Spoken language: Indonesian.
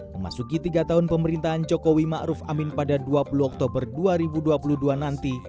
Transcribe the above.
memasuki tiga tahun pemerintahan jokowi ⁇ maruf ⁇ amin pada dua puluh oktober dua ribu dua puluh dua nanti